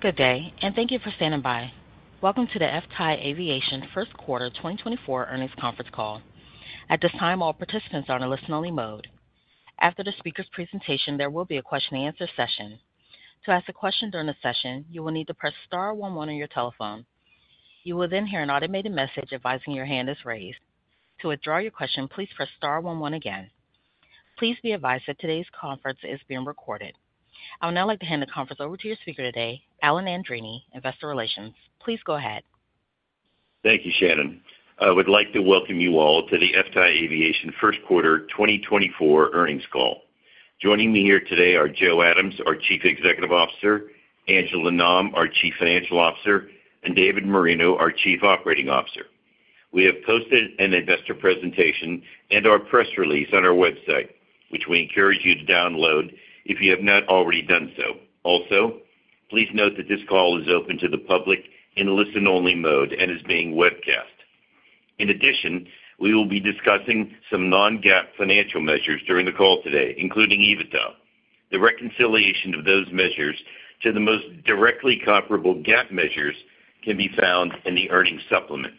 Good day, and thank you for standing by. Welcome to the FTAI Aviation First Quarter 2024 Earnings Conference Call. At this time, all participants are on a listen-only mode. After the speaker's presentation, there will be a question-and-answer session. To ask a question during the session, you will need to press star one one on your telephone. You will then hear an automated message advising your hand is raised. To withdraw your question, please press star one one again. Please be advised that today's conference is being recorded. I would now like to hand the conference over to your speaker today, Alan Andreini, Investor Relations. Please go ahead. Thank you, Shannon. I would like to welcome you all to the FTAI Aviation First Quarter 2024 Earnings Call. Joining me here today are Joe Adams, our Chief Executive Officer; Angela Nam, our Chief Financial Officer; and David Moreno, our Chief Operating Officer. We have posted an investor presentation and our press release on our website, which we encourage you to download if you have not already done so. Also, please note that this call is open to the public in a listen-only mode and is being webcast. In addition, we will be discussing some non-GAAP financial measures during the call today, including EBITDA. The reconciliation of those measures to the most directly comparable GAAP measures can be found in the earnings supplement.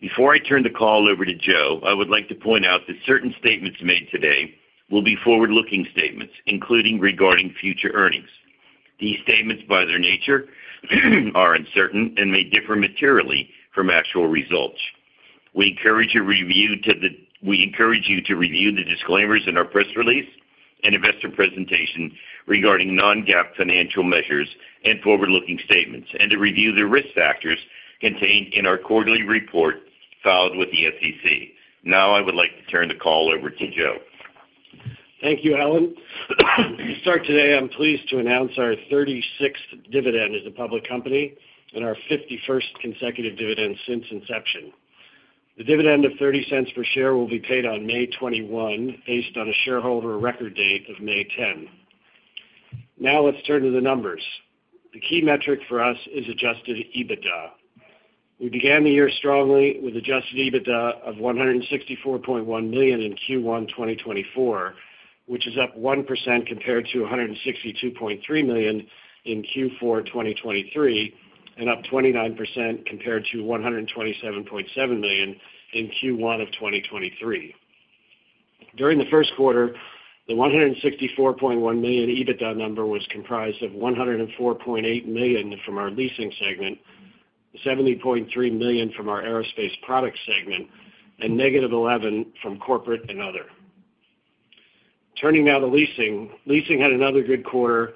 Before I turn the call over to Joe, I would like to point out that certain statements made today will be forward-looking statements, including regarding future earnings. These statements, by their nature, are uncertain and may differ materially from actual results. We encourage you to review the disclaimers in our press release and investor presentation regarding non-GAAP financial measures and forward-looking statements, and to review the risk factors contained in our quarterly report filed with the SEC. Now I would like to turn the call over to Joe. Thank you, Alan. To start today, I'm pleased to announce our 36th dividend as a public company and our 51st consecutive dividend since inception. The dividend of $0.30 per share will be paid on May 21, based on a shareholder record date of May 10. Now let's turn to the numbers. The key metric for us is Adjusted EBITDA. We began the year strongly with Adjusted EBITDA of $164.1 million in Q1 2024, which is up 1% compared to $162.3 million in Q4 2023 and up 29% compared to $127.7 million in Q1 of 2023. During the first quarter, the $164.1 million EBITDA number was comprised of $104.8 million from our leasing segment, $70.3 million from our aerospace product segment, and -$11 million from corporate and other. Turning now to leasing, leasing had another good quarter,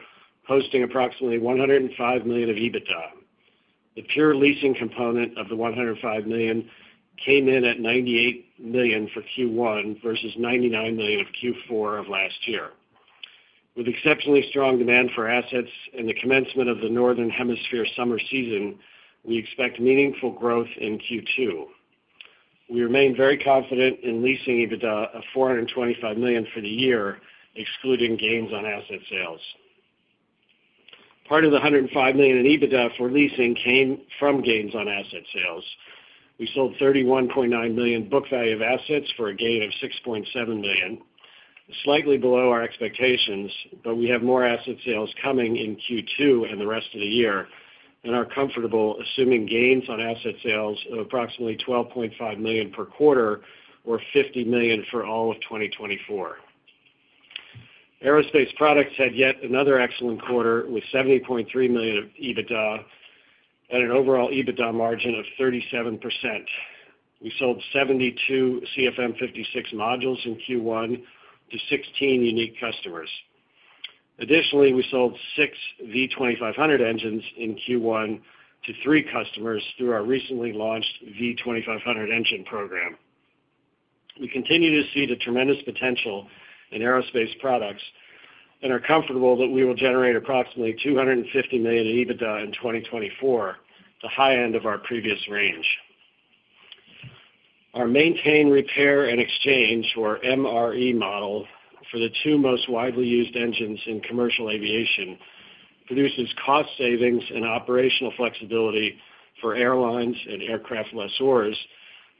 posting approximately $105 million of EBITDA. The pure leasing component of the $105 million came in at $98 million for Q1 versus $99 million of Q4 of last year. With exceptionally strong demand for assets and the commencement of the Northern Hemisphere summer season, we expect meaningful growth in Q2. We remain very confident in leasing EBITDA of $425 million for the year, excluding gains on asset sales. Part of the $105 million in EBITDA for leasing came from gains on asset sales. We sold $31.9 million book value of assets for a gain of $6.7 million, slightly below our expectations, but we have more asset sales coming in Q2 and the rest of the year, and are comfortable assuming gains on asset sales of approximately $12.5 million per quarter or $50 million for all of 2024. Aerospace products had yet another excellent quarter with $70.3 million of EBITDA and an overall EBITDA margin of 37%. We sold 72 CFM56 modules in Q1 to 16 unique customers. Additionally, we sold 6 V2500 engines in Q1 to three customers through our recently launched V2500 engine program. We continue to see the tremendous potential in aerospace products and are comfortable that we will generate approximately $250 million in EBITDA in 2024, the high end of our previous range. Our maintain, repair, and exchange, or MRE, model for the two most widely used engines in commercial aviation produces cost savings and operational flexibility for airlines and aircraft lessors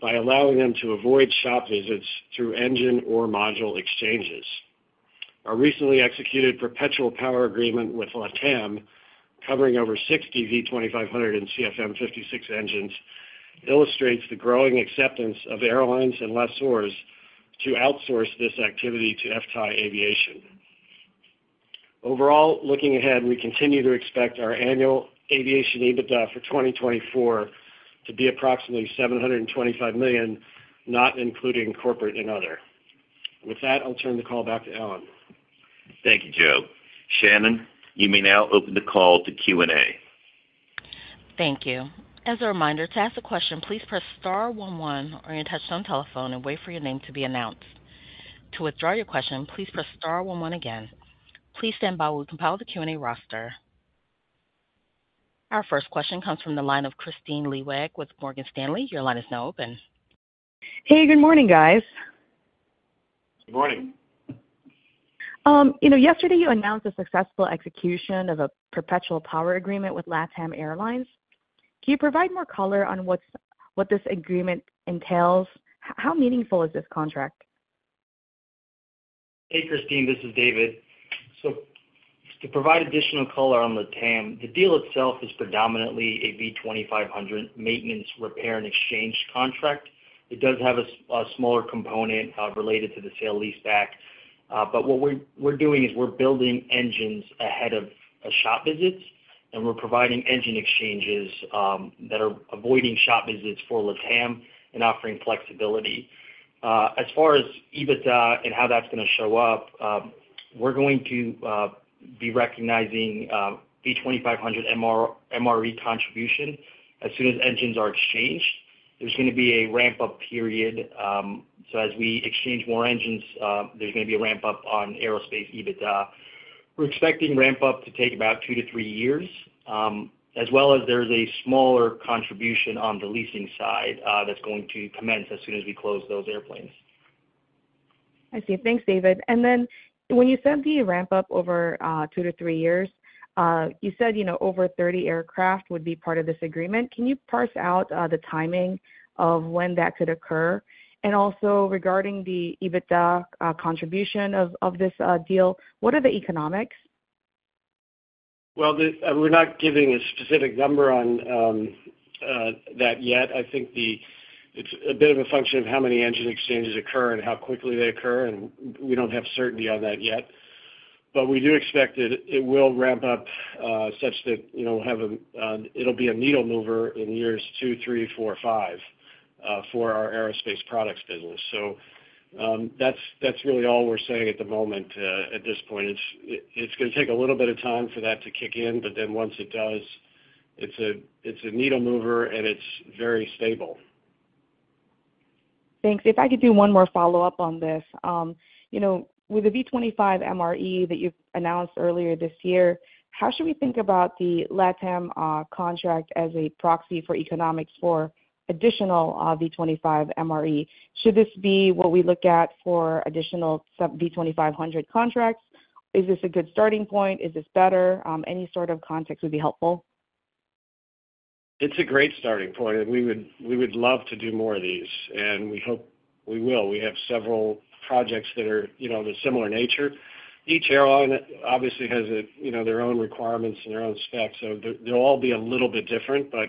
by allowing them to avoid shop visits through engine or module exchanges. Our recently executed perpetual power agreement with LATAM, covering over 60 V2500 and CFM56 engines, illustrates the growing acceptance of airlines and lessors to outsource this activity to FTAI Aviation. Overall, looking ahead, we continue to expect our annual aviation EBITDA for 2024 to be approximately $725 million, not including corporate and other. With that, I'll turn the call back to Alan. Thank you, Joe. Shannon, you may now open the call to Q&A. Thank you. As a reminder, to ask a question, please press star one one or your touch-tone telephone and wait for your name to be announced. To withdraw your question, please press star one one again. Please stand by while we compile the Q&A roster. Our first question comes from the line of Kristine Liwag with Morgan Stanley. Your line is now open. Hey, good morning, guys. Good morning. You know, yesterday you announced a successful execution of a perpetual power agreement with LATAM Airlines. Can you provide more color on what this agreement entails? How meaningful is this contract? Hey, Kristine. This is David. So to provide additional color on LATAM, the deal itself is predominantly a V2500 maintenance, repair, and exchange contract. It does have a smaller component, related to the sale lease back. But what we're doing is we're building engines ahead of shop visits, and we're providing engine exchanges, that are avoiding shop visits for LATAM and offering flexibility. As far as EBITDA and how that's gonna show up, we're going to be recognizing V2500 MRE contribution as soon as engines are exchanged. There's gonna be a ramp-up period, so as we exchange more engines, there's gonna be a ramp-up on aerospace EBITDA. We're expecting ramp-up to take about two to three years, as well as there's a smaller contribution on the leasing side, that's going to commence as soon as we close those airplanes. I see. Thanks, David. And then when you said the ramp-up over two to three years, you said, you know, over 30 aircraft would be part of this agreement. Can you parse out the timing of when that could occur? And also, regarding the EBITDA contribution of this deal, what are the economics? Well, we're not giving a specific number on that yet. I think it's a bit of a function of how many engine exchanges occur and how quickly they occur, and we don't have certainty on that yet. But we do expect it will ramp up, such that, you know, we'll have, it'll be a needle mover in years two, three, four, five, for our aerospace products business. So, that's really all we're saying at the moment, at this point. It's gonna take a little bit of time for that to kick in, but then once it does, it's a needle mover, and it's very stable. Thanks. If I could do one more follow-up on this, you know, with the V2500 MRE that you've announced earlier this year, how should we think about the Latam contract as a proxy for economics for additional V2500 MRE? Should this be what we look at for additional sub-V2500 contracts? Is this a good starting point? Is this better? Any sort of context would be helpful. It's a great starting point, and we would love to do more of these, and we hope we will. We have several projects that are, you know, of a similar nature. Each airline obviously has a you know, their own requirements and their own specs, so they're, they'll all be a little bit different, but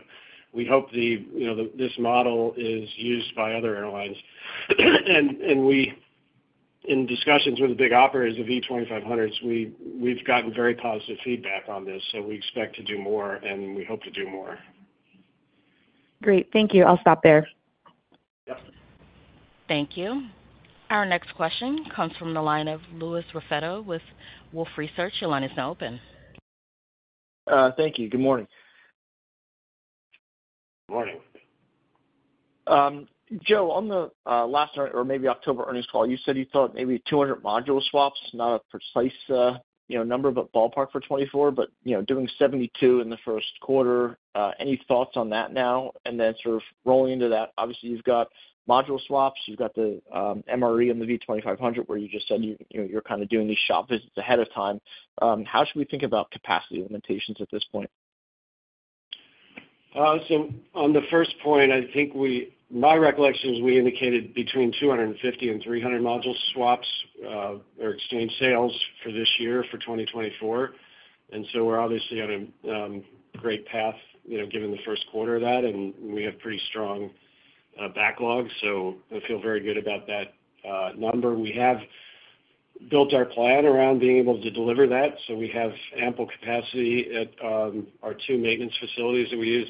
we hope the you know, the this model is used by other airlines. And we in discussions with the big operators of V2500s, we've gotten very positive feedback on this, so we expect to do more, and we hope to do more. Great. Thank you. I'll stop there. Yep. Thank you. Our next question comes from the line of Louis Raffetto with Wolfe Research. Your line is now open. Thank you. Good morning. Good morning. Joe, on the last year or maybe October earnings call, you said you thought maybe 200 module swaps, not a precise, you know, number but ballpark for 2024, but, you know, doing 72 in the first quarter. Any thoughts on that now? And then sort of rolling into that, obviously, you've got module swaps. You've got the MRE on the V2500 where you just said you, you know, you're kinda doing these shop visits ahead of time. How should we think about capacity limitations at this point? So on the first point, I think, my recollection is we indicated between 250 and 300 module swaps or exchange sales for this year, for 2024. And so we're obviously on a great path, you know, given the first quarter of that, and we have pretty strong backlog, so I feel very good about that number. We have built our plan around being able to deliver that, so we have ample capacity at our two maintenance facilities that we use,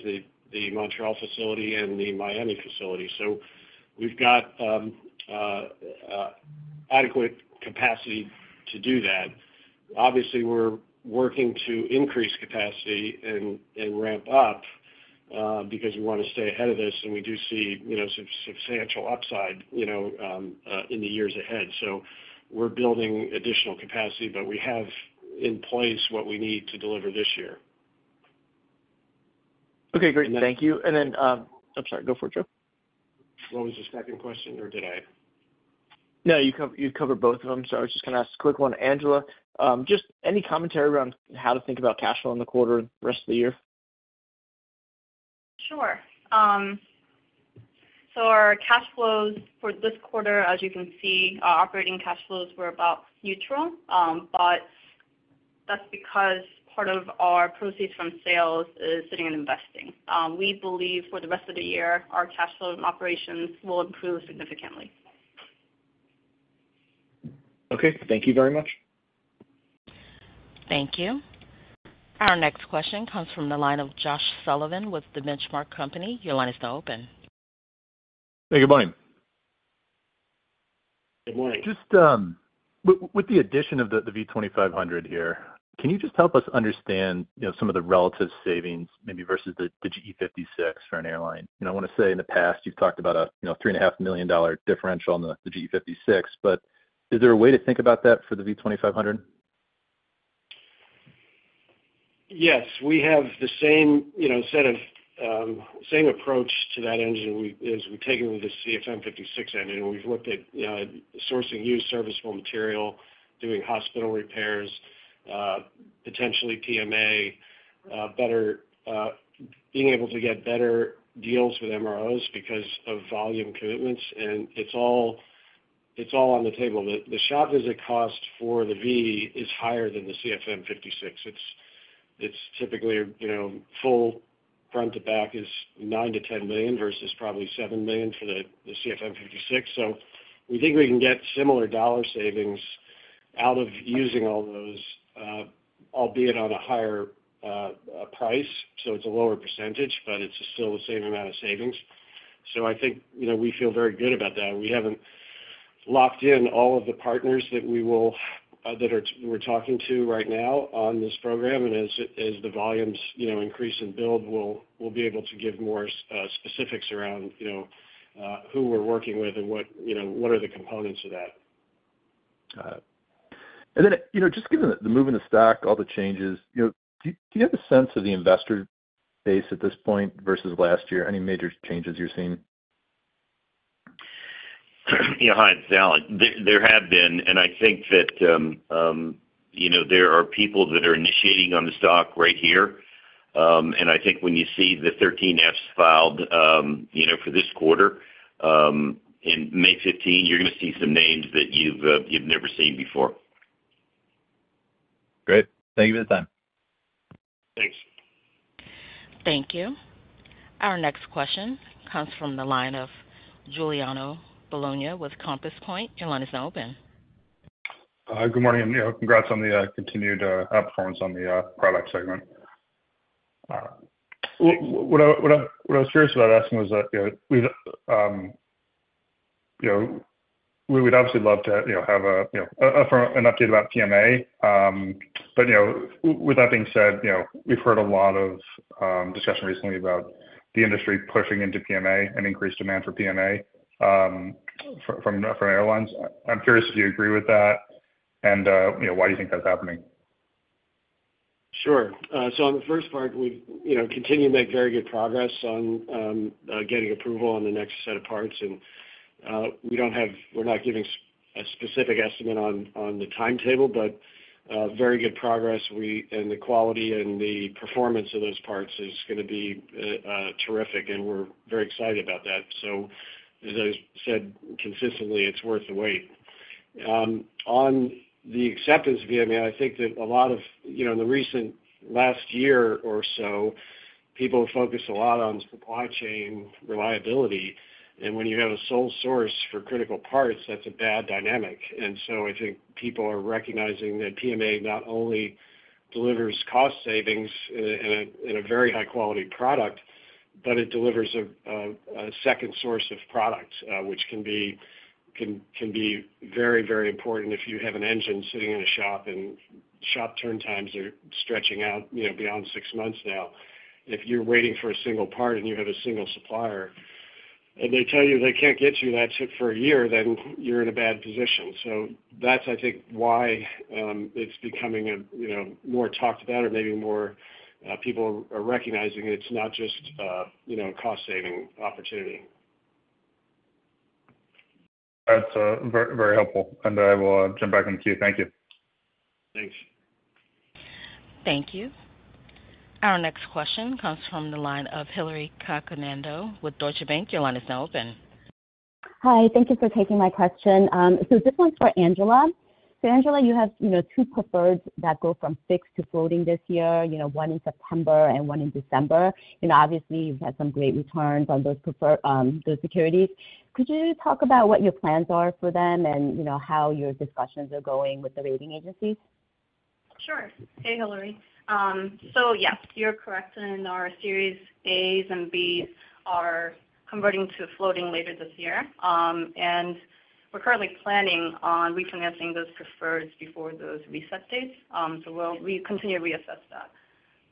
the Montreal facility and the Miami facility. So we've got adequate capacity to do that. Obviously, we're working to increase capacity and ramp up, because we wanna stay ahead of this, and we do see, you know, substantial upside, you know, in the years ahead. So we're building additional capacity, but we have in place what we need to deliver this year. Okay. Great. Thank you. And then, oops, sorry. Go for it, Joe. What was the second question, or did I? No, you covered both of them, so I was just gonna ask a quick one. Angela, just any commentary around how to think about cash flow in the quarter and rest of the year? Sure. So our cash flows for this quarter, as you can see, our operating cash flows were about neutral, but that's because part of our proceeds from sales is sitting in investing. We believe for the rest of the year, our cash flow and operations will improve significantly. Okay. Thank you very much. Thank you. Our next question comes from the line of Josh Sullivan with The Benchmark Company. Your line is now open. Hey, good morning. Good morning. Just, with the addition of the V2500 here, can you just help us understand, you know, some of the relative savings, maybe versus the CFM56 for an airline? You know, I wanna say in the past, you've talked about a, you know, $3.5 million differential in the CFM56, but is there a way to think about that for the V2500? Yes. We have the same, you know, set of, same approach to that engine we as we've taken with the CFM56 engine. We've looked at, you know, sourcing used serviceable material, doing hospital repairs, potentially PMA, better being able to get better deals with MROs because of volume commitments, and it's all it's all on the table. The, the shop visit cost for the V is higher than the CFM56. It's, it's typically, you know, full front to back is $9 million-$10 million versus probably $7 million for the, the CFM56. We think we can get similar dollar savings out of using all those, albeit on a higher, price, so it's a lower percentage, but it's still the same amount of savings. So I think, you know, we feel very good about that. We haven't locked in all of the partners that we're talking to right now on this program, and as the volumes, you know, increase in build, we'll be able to give more specifics around, you know, who we're working with and what, you know, what are the components of that. Got it. And then, you know, just given the, the move in the stock, all the changes, you know, do you have a sense of the investor base at this point versus last year? Any major changes you're seeing? You know, hi, it's Alan. There have been, and I think that, you know, there are people that are initiating on the stock right here. And I think when you see the 13Fs filed, you know, for this quarter, in May 15, you're gonna see some names that you've never seen before. Great. Thank you for the time. Thanks. Thank you. Our next question comes from the line of Giuliano Bologna with Compass Point. Your line is now open. Good morning. You know, congrats on the continued outperformance on the product segment. What I was curious about asking was that, you know, we've, you know, we would obviously love to, you know, have a, you know, an update about PMA. But, you know, with that being said, you know, we've heard a lot of discussion recently about the industry pushing into PMA and increased demand for PMA from airlines. I'm curious if you agree with that and, you know, why do you think that's happening? Sure. So on the first part, we've, you know, continued to make very good progress on getting approval on the next set of parts. And we're not giving a specific estimate on the timetable, but very good progress. And the quality and the performance of those parts is gonna be terrific, and we're very excited about that. So, as I said consistently, it's worth the wait. On the acceptance of PMA, I think that a lot of, you know, in the recent last year or so, people have focused a lot on supply chain reliability, and when you have a sole source for critical parts, that's a bad dynamic. And so I think people are recognizing that PMA not only delivers cost savings in a very high-quality product, but it delivers a second source of product, which can be very important if you have an engine sitting in a shop and shop turntimes are stretching out, you know, beyond six months now. If you're waiting for a single part and you have a single supplier, and they tell you they can't get you that part for a year, then you're in a bad position. So that's, I think, why it's becoming, you know, more talked about or maybe more people are recognizing it's not just a, you know, a cost-saving opportunity. That's very, very helpful, and I will jump back on the queue. Thank you. Thanks. Thank you. Our next question comes from the line of Hillary Cacanando with Deutsche Bank. Your line is now open. Hi. Thank you for taking my question. So this one's for Angela. So Angela, you have, you know, two preferreds that go from fixed to floating this year, you know, one in September and one in December. You know, obviously, you've had some great returns on those preferred those securities. Could you talk about what your plans are for them and, you know, how your discussions are going with the rating agencies? Sure. Hey, Hillary. So yes, you're correct in our Series A's and B's are converting to floating later this year. And we're currently planning on refinancing those preferreds before those reset dates, so we'll continue to reassess that.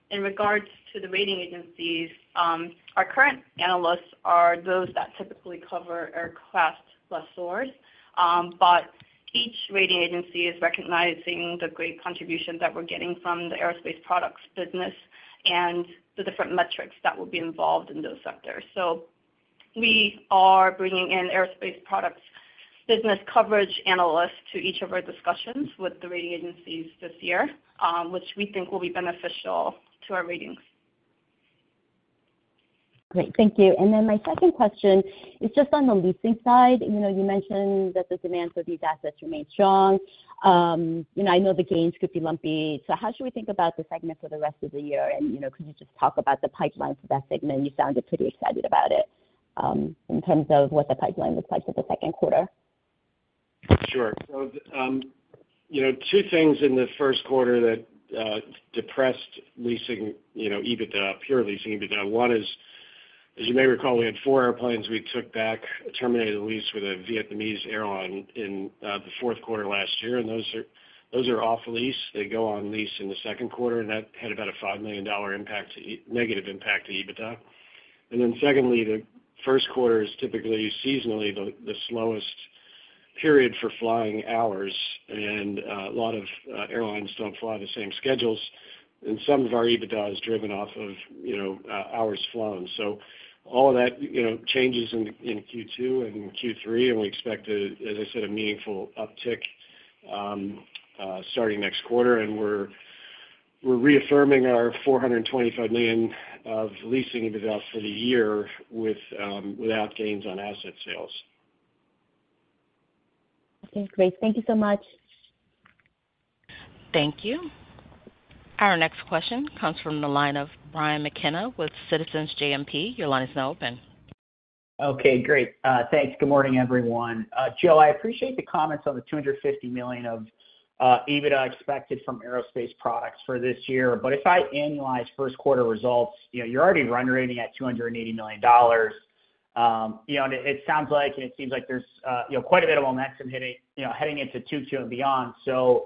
In regards to the rating agencies, our current analysts are those that typically cover aircraft plus stores, but each rating agency is recognizing the great contribution that we're getting from the aerospace products business and the different metrics that will be involved in those sectors. So we are bringing in aerospace products business coverage analysts to each of our discussions with the rating agencies this year, which we think will be beneficial to our ratings. Great. Thank you. And then my second question is just on the leasing side. You know, you mentioned that the demand for these assets remains strong. You know, I know the gains could be lumpy, so how should we think about the segment for the rest of the year? And, you know, could you just talk about the pipeline for that segment? You sounded pretty excited about it, in terms of what the pipeline looks like for the second quarter. Sure. So, you know, two things in the first quarter that depressed leasing, you know, EBITDA, pure leasing EBITDA. One is, as you may recall, we had four airplanes we took back, terminated the lease with a Vietnamese airline in the fourth quarter last year, and those are off-lease. They go on lease in the second quarter, and that had about a $5 million negative impact to EBITDA. And then secondly, the first quarter is typically seasonally the slowest period for flying hours, and a lot of airlines don't fly the same schedules, and some of our EBITDA is driven off of, you know, hours flown. So all of that, you know, changes in Q2 and Q3, and we expect, as I said, a meaningful uptick starting next quarter, and we're reaffirming our $425 million of leasing EBITDA for the year without gains on asset sales. Okay. Great. Thank you so much. Thank you. Our next question comes from the line of Brian McKenna with Citizens JMP. Your line is now open. Okay. Great. Thanks. Good morning, everyone. Joe, I appreciate the comments on the $250 million of EBITDA expected from aerospace products for this year, but if I annualize first quarter results, you know, you're already run rating at $280 million. You know, and it, it sounds like and it seems like there's, you know, quite a bit of momentum hitting you know, heading into Q2 and beyond. So,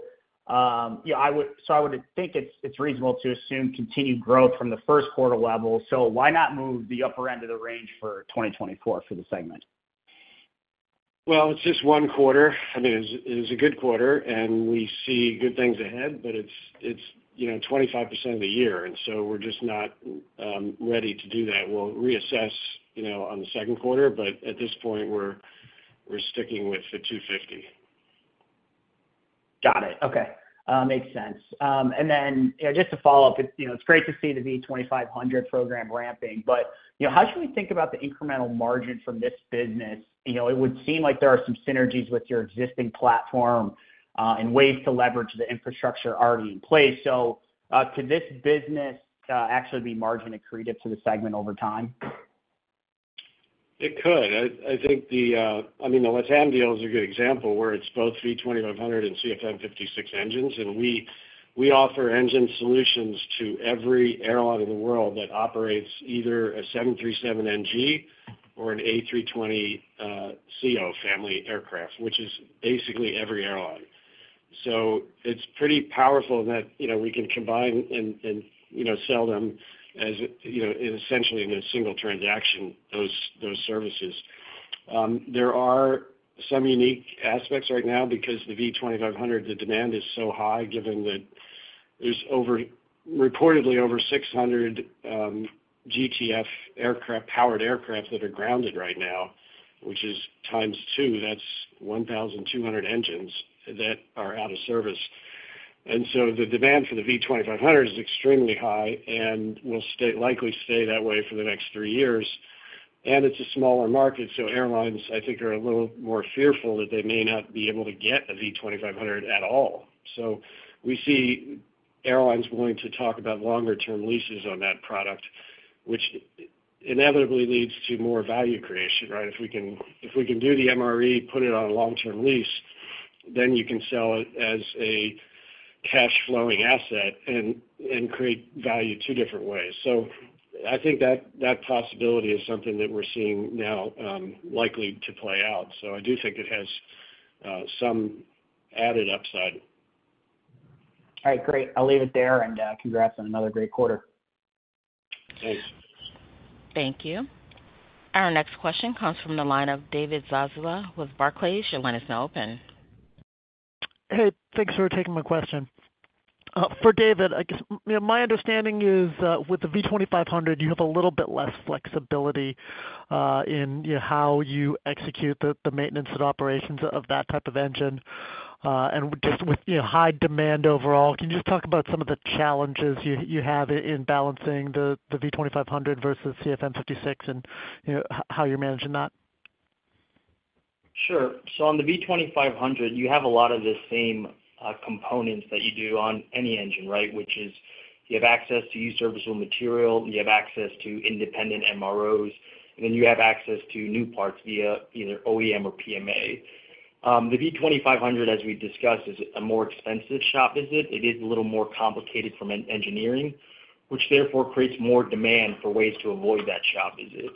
you know, I would so I would think it's, it's reasonable to assume continued growth from the first quarter level, so why not move the upper end of the range for 2024 for the segment? Well, it's just one quarter. I mean, it's a good quarter, and we see good things ahead, but it's, you know, 25% of the year, and so we're just not ready to do that. We'll reassess, you know, on the second quarter, but at this point, we're sticking with the $250. Got it. Okay. Makes sense. And then, you know, just to follow up, it's, you know, it's great to see the V2500 program ramping, but, you know, how should we think about the incremental margin from this business? You know, it would seem like there are some synergies with your existing platform, and ways to leverage the infrastructure already in place. So, could this business actually be margin accretive to the segment over time? It could. I think the, I mean, the LATAM deals are a good example where it's both V2500 and CFM56 engines, and we offer engine solutions to every airline in the world that operates either a 737 NG or an A320ceo family aircraft, which is basically every airline. So it's pretty powerful that, you know, we can combine and, you know, sell them as, you know, essentially in a single transaction, those services. There are some unique aspects right now because the V2500, the demand is so high given that there's reportedly over 600 GTF-powered aircraft that are grounded right now, which is times two. That's 1,200 engines that are out of service. And so the demand for the V2500 is extremely high and will likely stay that way for the next three years, and it's a smaller market, so airlines, I think, are a little more fearful that they may not be able to get a V2500 at all. So we see airlines willing to talk about longer-term leases on that product, which inevitably leads to more value creation, right? If we can do the MRE, put it on a long-term lease, then you can sell it as a cash-flowing asset and create value two different ways. So I think that possibility is something that we're seeing now, likely to play out, so I do think it has some added upside. All right. Great. I'll leave it there and congrats on another great quarter. Thanks. Thank you. Our next question comes from the line of David Zazula with Barclays. Your line is now open. Hey. Thanks for taking my question. For David, I guess, you know, my understanding is, with the V2500, you have a little bit less flexibility in, you know, how you execute the maintenance and operations of that type of engine, and just with, you know, high demand overall. Can you just talk about some of the challenges you have in balancing the V2500 versus CFM56 and, you know, how you're managing that? Sure. So on the V2500, you have a lot of the same components that you do on any engine, right, which is you have access to used serviceable material, you have access to independent MROs, and then you have access to new parts via either OEM or PMA. The V2500, as we discussed, is a more expensive shop visit. It is a little more complicated from an engineering, which therefore creates more demand for ways to avoid that shop visit.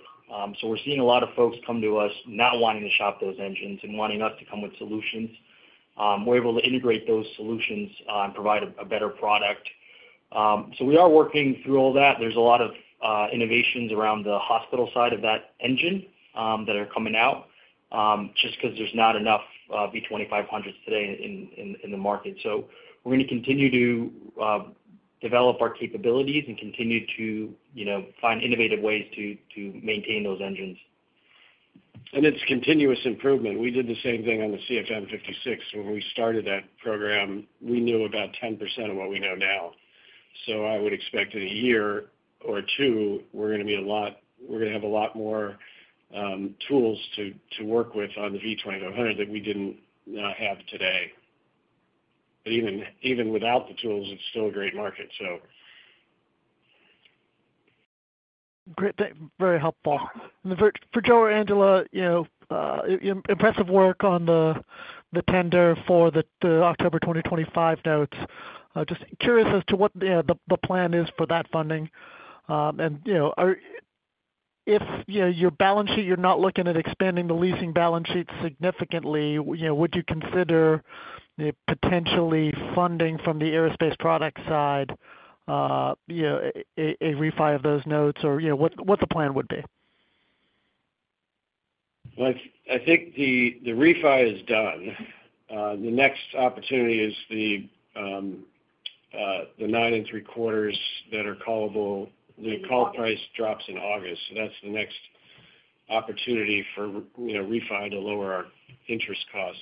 So we're seeing a lot of folks come to us not wanting to shop those engines and wanting us to come with solutions. We're able to integrate those solutions and provide a better product. So we are working through all that. There's a lot of innovations around the hot section side of that engine that are coming out, just 'cause there's not enough V2500s today in the market. We're gonna continue to develop our capabilities and continue to, you know, find innovative ways to maintain those engines. It's continuous improvement. We did the same thing on the CFM56. When we started that program, we knew about 10% of what we know now, so I would expect in a year or two, we're gonna have a lot more tools to work with on the V2500 that we didn't have today. But even without the tools, it's still a great market, so. Great. That's very helpful. And the effort for Joe and Angela, you know, impressive work on the tender for the October 2025 notes. Just curious as to what, you know, the plan is for that funding. And, you know, if, you know, your balance sheet, you're not looking at expanding the leasing balance sheet significantly, you know, would you consider, you know, potentially funding from the aerospace product side, you know, a refi of those notes, or, you know, what the plan would be? Well, I think the refi is done. The next opportunity is the 9.75 that are callable. The call price drops in August, so that's the next opportunity for, you know, refi to lower our interest costs.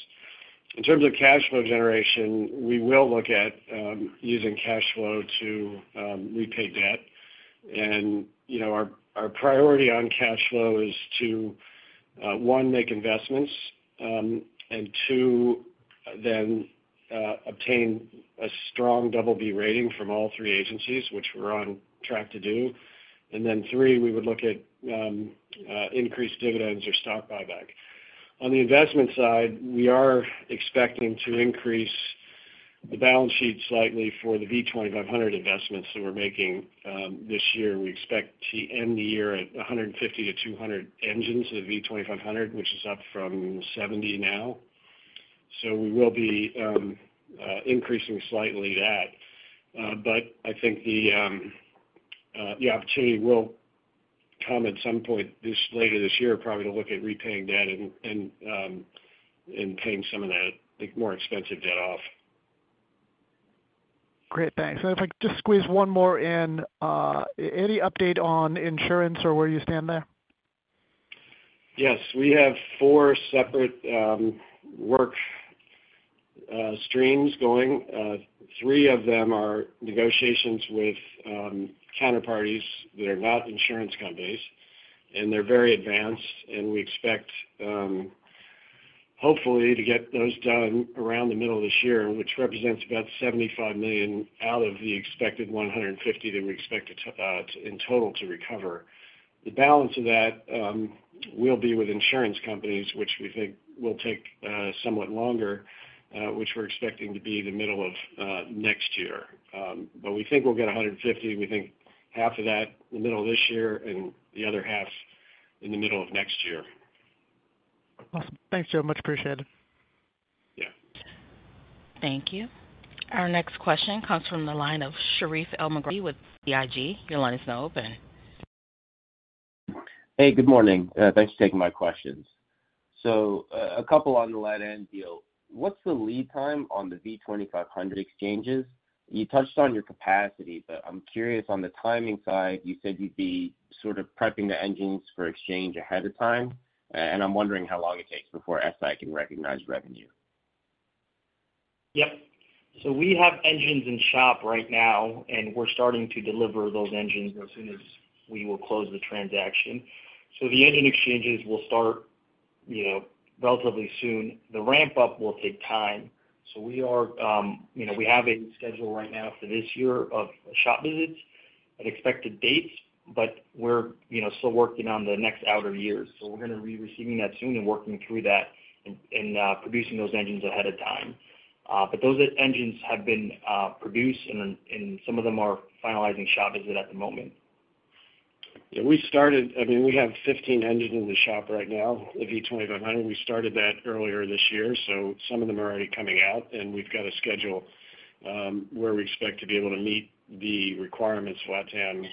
In terms of cash flow generation, we will look at using cash flow to repay debt. And, you know, our priority on cash flow is to one, make investments, and two, then obtain a strong double B rating from all three agencies, which we're on track to do. And then three, we would look at increased dividends or stock buyback. On the investment side, we are expecting to increase the balance sheet slightly for the V2500 investments that we're making this year. We expect to end the year at 150-200 engines of the V2500, which is up from 70 now, so we will be increasing slightly that. But I think the opportunity will come at some point later this year, probably to look at repaying debt and paying some of that, the more expensive debt off. Great. Thanks. And if I could just squeeze one more in, any update on insurance or where you stand there? Yes. We have four separate work streams going. Three of them are negotiations with counterparties that are not insurance companies, and they're very advanced, and we expect, hopefully, to get those done around the middle of this year, which represents about $75 million out of the expected $150 million that we expect to recover in total. The balance of that will be with insurance companies, which we think will take somewhat longer, which we're expecting to be the middle of next year. But we think we'll get $150 million. We think half of that in the middle of this year and the other half in the middle of next year. Awesome. Thanks so much. Appreciate it. Yeah. Thank you. Our next question comes from the line of Sherif El-Sabbahy with Bank of America Securities. Your line is now open. Hey. Good morning. Thanks for taking my questions. So, a couple on the LATAM deal. What's the lead time on the V2500 exchanges? You touched on your capacity, but I'm curious on the timing side. You said you'd be sort of prepping the engines for exchange ahead of time, and I'm wondering how long it takes before FTAI can recognize revenue. Yep. So we have engines in shop right now, and we're starting to deliver those engines as soon as we will close the transaction. So the engine exchanges will start, you know, relatively soon. The ramp-up will take time, so we are, you know, we have a schedule right now for this year of shop visits and expected dates, but we're, you know, still working on the next outer years, so we're gonna be receiving that soon and working through that and producing those engines ahead of time. But those engines have been produced, and some of them are finalizing shop visit at the moment. Yeah. We started. I mean, we have 15 engines in shop right now, the V2500. We started that earlier this year, so some of them are already coming out, and we've got a schedule, where we expect to be able to meet the requirements for LATAM,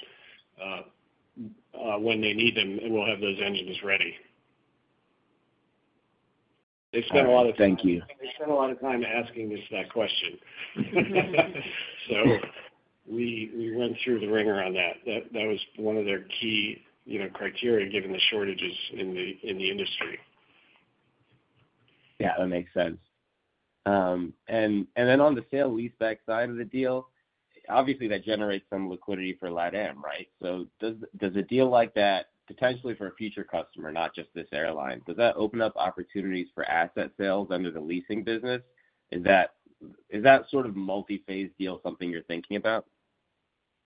when they need them, and we'll have those engines ready. They spent a lot of time. Thank you. They spent a lot of time asking us that question, so we went through the wringer on that. That was one of their key, you know, criteria given the shortages in the industry. Yeah. That makes sense. And then, on the sale lease-back side of the deal, obviously, that generates some liquidity for LATAM, right? So, does a deal like that potentially for a future customer, not just this airline, open up opportunities for asset sales under the leasing business? Is that sort of multi-phase deal something you're thinking about?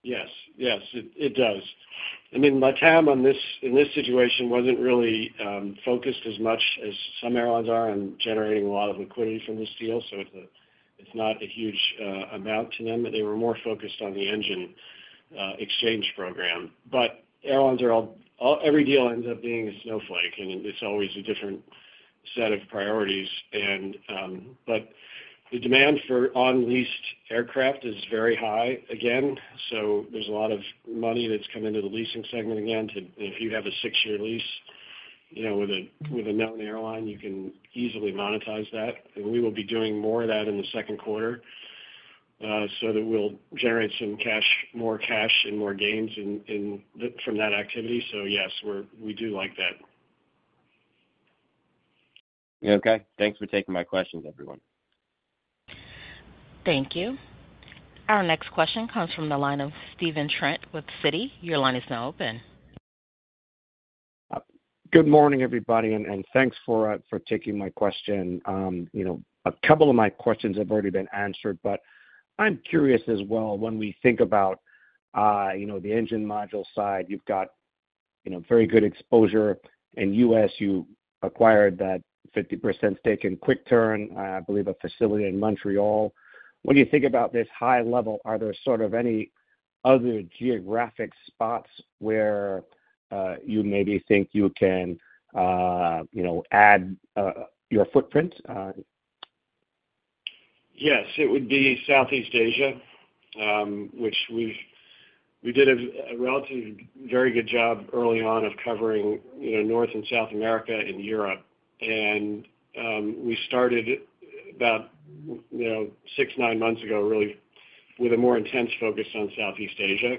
Yes. Yes. It, it does. I mean, LATAM on this in this situation wasn't really focused as much as some airlines are on generating a lot of liquidity from this deal, so it's a it's not a huge amount to them. They were more focused on the engine exchange program. But airlines are all every deal ends up being a snowflake, and it's always a different set of priorities. But the demand for unleased aircraft is very high again, so there's a lot of money that's come into the leasing segment again to you know, if you have a six-year lease, you know, with a with a known airline, you can easily monetize that. And we will be doing more of that in the second quarter, so that we'll generate some cash more cash and more gains in, in the from that activity. So yes, we do like that. Okay. Thanks for taking my questions, everyone. Thank you. Our next question comes from the line of Stephen Trent with Citi. Your line is now open. Good morning, everybody, and thanks for taking my question. You know, a couple of my questions have already been answered, but I'm curious as well. When we think about, you know, the engine module side, you've got, you know, very good exposure in U.S. You acquired that 50% stake in QuickTurn, I believe, a facility in Montreal. When you think about this high level, are there sort of any other geographic spots where you maybe think you can, you know, add your footprint? Yes. It would be Southeast Asia, which we've done a relatively very good job early on of covering, you know, North and South America and Europe. We started about, you know, six to nine months ago, really, with a more intense focus on Southeast Asia,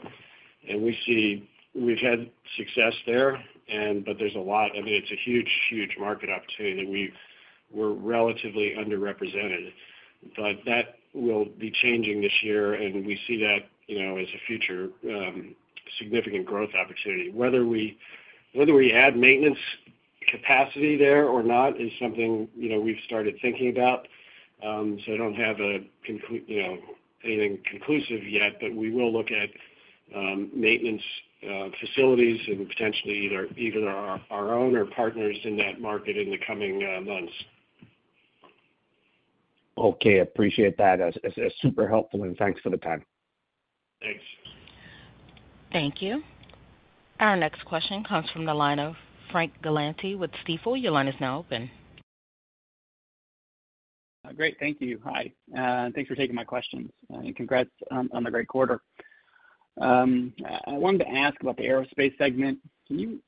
and we've had success there, but there's a lot. I mean, it's a huge, huge market opportunity that we're relatively underrepresented, but that will be changing this year, and we see that, you know, as a future, significant growth opportunity. Whether we add maintenance capacity there or not is something, you know, we've started thinking about, so I don't have anything conclusive yet, but we will look at maintenance facilities and potentially either our own or partners in that market in the coming months. Okay. Appreciate that as super helpful, and thanks for the time. Thanks. Thank you. Our next question comes from the line of Frank Galanti with Stifel. Your line is now open. Great. Thank you. Hi. Thanks for taking my questions, and congrats on the great quarter. I wanted to ask about the aerospace segment. Can you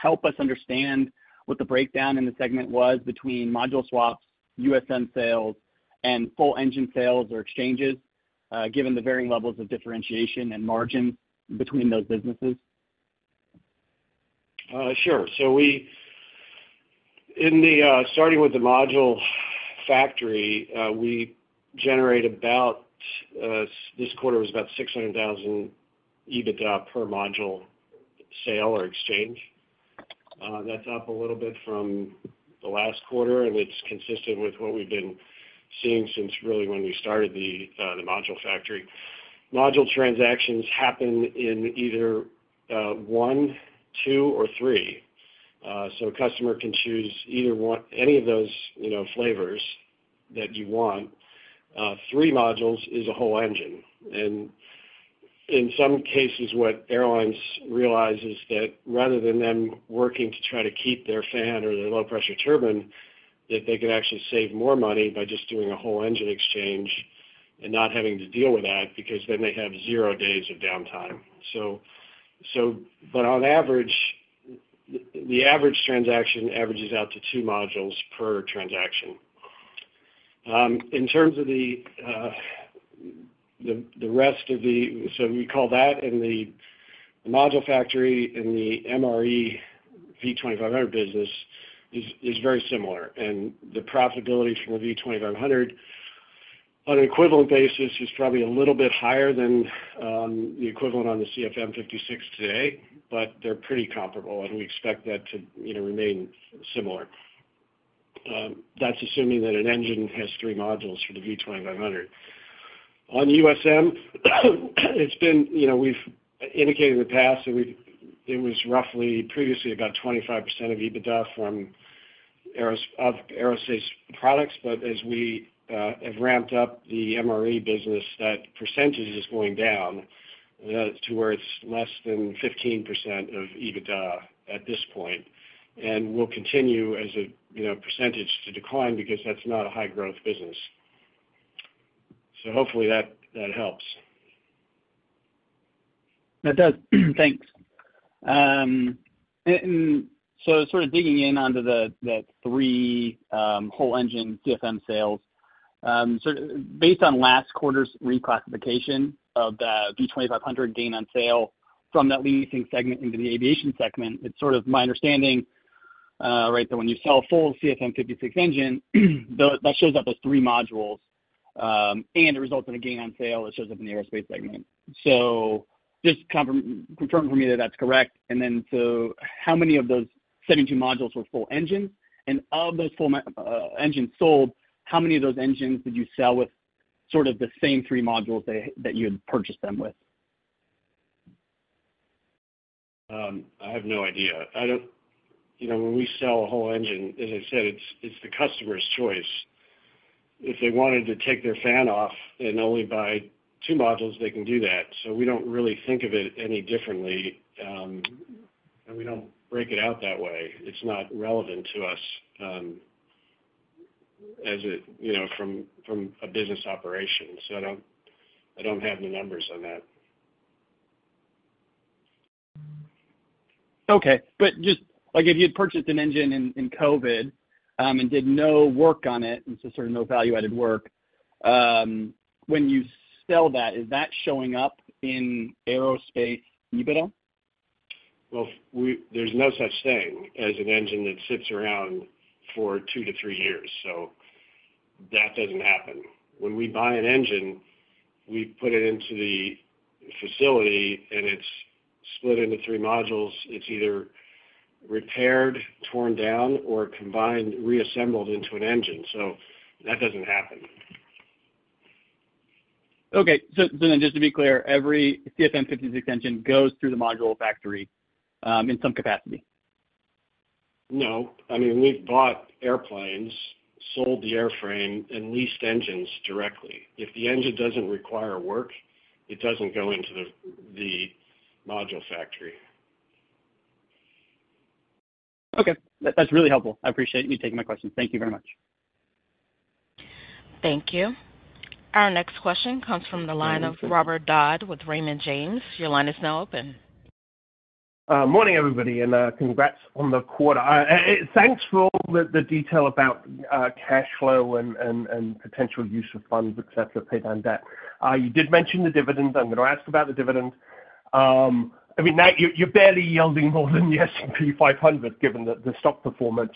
help us understand what the breakdown in the segment was between module swaps, USM sales, and full engine sales or exchanges, given the varying levels of differentiation and margins between those businesses? Sure. So, starting with the Module Factory, we generate about $600,000 EBITDA per module sale or exchange this quarter. That's up a little bit from the last quarter, and it's consistent with what we've been seeing since really when we started the Module Factory. Module transactions happen in either one, two, or three. So a customer can choose either one any of those, you know, flavors that you want. Three modules is a whole engine. And in some cases, what airlines realize is that rather than them working to try to keep their fan or their low-pressure turbine, that they could actually save more money by just doing a whole engine exchange and not having to deal with that because then they have zero days of downtime. So, but on average, the average transaction averages out to two modules per transaction. In terms of the rest, so we call that the Module Factory and the MRE V2500 business is very similar, and the profitability from the V2500 on an equivalent basis is probably a little bit higher than the equivalent on the CFM56 today, but they're pretty comparable, and we expect that to, you know, remain similar. That's assuming that an engine has three modules for the V2500. On USM, it's been, you know, we've indicated in the past that it was roughly previously about 25% of EBITDA from aerospace products, but as we have ramped up the MRE business, that percentage is going down to where it's less than 15% of EBITDA at this point, and will continue as a, you know, percentage to decline because that's not a high-growth business. So hopefully that helps. That does. Thanks. And so sort of digging into the three whole engine CFM sales, sort of based on last quarter's reclassification of the V2500 gain on sale from that leasing segment into the aviation segment, it's sort of my understanding, right, that when you sell a full CFM56 engine, that shows up as three modules, and it results in a gain on sale that shows up in the aerospace segment. So just confirm for me that that's correct. And then so how many of those 72 modules were full engines? And of those full engines sold, how many of those engines did you sell with sort of the same three modules that you had purchased them with? I have no idea. I don't, you know, when we sell a whole engine, as I said, it's the customer's choice. If they wanted to take their fan off and only buy two modules, they can do that, so we don't really think of it any differently, and we don't break it out that way. It's not relevant to us, as it, you know, from a business operation, so I don't have the numbers on that. Okay. But just, like, if you'd purchased an engine in COVID, and did no work on it, and so sort of no value-added work, when you sell that, is that showing up in aerospace EBITDA? Well, if there's no such thing as an engine that sits around for two to three years, so that doesn't happen. When we buy an engine, we put it into the facility, and it's split into three modules. It's either repaired, torn down, or combined, reassembled into an engine, so that doesn't happen. Okay. So then, just to be clear, every CFM56 engine goes through the Module Factory, in some capacity? No. I mean, we've bought airplanes, sold the airframe, and leased engines directly. If the engine doesn't require work, it doesn't go into the Module Factory. Okay. That's really helpful. I appreciate you taking my questions. Thank you very much. Thank you. Our next question comes from the line of Robert Dodd with Raymond James. Your line is now open. Morning, everybody, and congrats on the quarter. And thanks for all the detail about cash flow and potential use of funds, etc., paid on debt. You did mention the dividend. I'm gonna ask about the dividend. I mean, now you're barely yielding more than the S&P 500 given the stock performance.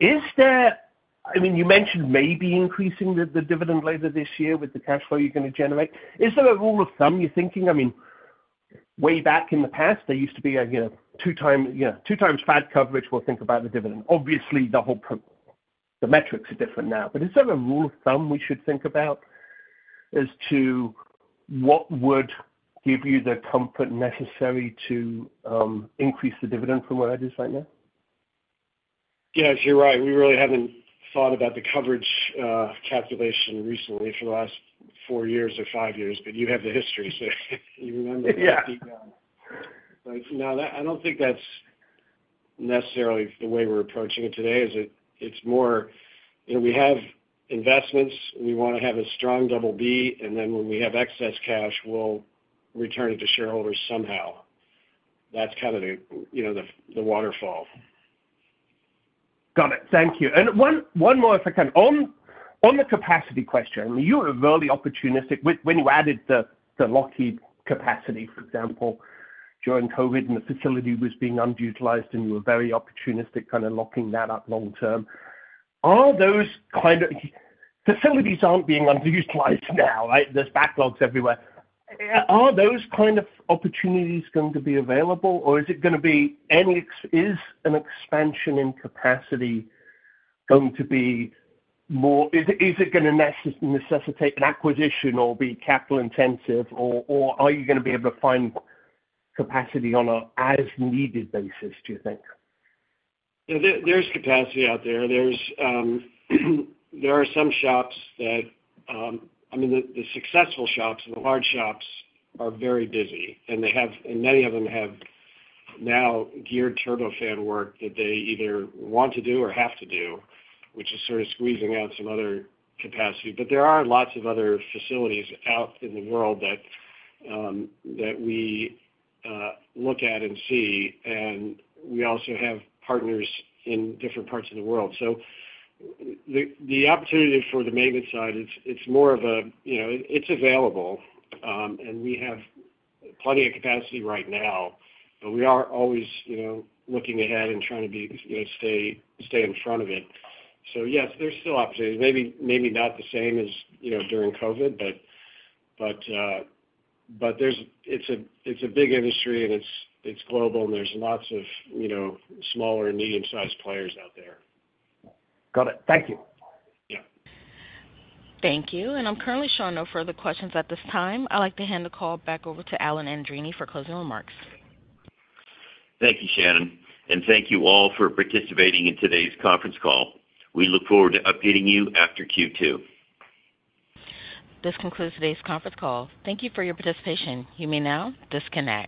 Is there—I mean, you mentioned maybe increasing the dividend later this year with the cash flow you're gonna generate. Is there a rule of thumb you're thinking? I mean, way back in the past, there used to be a, you know, 2x FAD coverage. We'll think about the dividend. Obviously, the whole profile, the metrics are different now, but is there a rule of thumb we should think about as to what would give you the comfort necessary to increase the dividend from where it is right now? Yeah. You're right. We really haven't thought about the coverage, calculation recently for the last four years or five years, but you have the history, so you remember that. Yeah. Deep down. But now that I don't think that's necessarily the way we're approaching it today, is it? It's more, you know, we have investments. We wanna have a strong double B, and then when we have excess cash, we'll return it to shareholders somehow. That's kind of the, you know, the, the waterfall. Got it. Thank you. And one more if I can. On the capacity question, you were very opportunistic with when you added the Lockheed capacity, for example, during COVID, and the facility was being underutilized, and you were very opportunistic kinda locking that up long term. Aren't those kind of facilities being underutilized now, right? There's backlogs everywhere. Are those kind of opportunities going to be available, or is an expansion in capacity going to be more, is it gonna necessitate an acquisition or be capital-intensive, or are you gonna be able to find capacity on an as-needed basis, do you think? Yeah. There's capacity out there. There are some shops that, I mean, the successful shops and the large shops are very busy, and they have, and many of them have now geared turbofan work that they either want to do or have to do, which is sort of squeezing out some other capacity. But there are lots of other facilities out in the world that we look at and see, and we also have partners in different parts of the world. So the opportunity for the maintenance side, it's more of a, you know, it's available, and we have plenty of capacity right now, but we are always, you know, looking ahead and trying to, you know, stay in front of it. So yes, there's still opportunities. Maybe, maybe not the same as, you know, during COVID, but it's a big industry, and it's global, and there's lots of, you know, smaller and medium-sized players out there. Got it. Thank you. Yeah. Thank you. I'm currently showing no further questions at this time. I'd like to hand the call back over to Alan Andreini for closing remarks. Thank you, Shannon, and thank you all for participating in today's conference call. We look forward to updating you after Q2. This concludes today's conference call. Thank you for your participation. You may now disconnect.